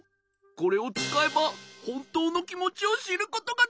これをつかえばほんとうのきもちをしることができる！